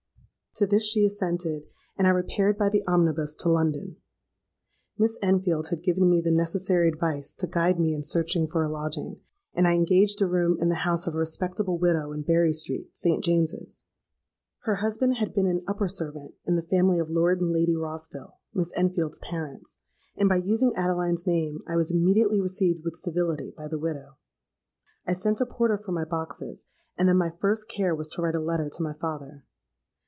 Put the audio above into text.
To this she assented; and I repaired by the omnibus to London. Miss Enfield had given me the necessary advice to guide me in searching for a lodging; and I engaged a room in the house of a respectable widow in Bury Street, St. James's. Her husband had been an upper servant in the family of Lord and Lady Rossville (Miss Enfield's parents); and, by using Adeline's name, I was immediately received with civility by the widow. "I sent a porter for my boxes; and then my first care was to write a letter to my father.